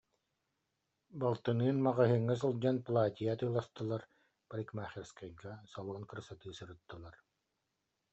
Балтыныын маҕаһыыҥҥа сылдьан платье атыыластылар, парикмахерскайга, «Салон красоты» сырыттылар